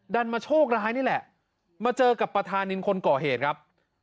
มาโชคร้ายนี่แหละมาเจอกับประธานินคนก่อเหตุครับ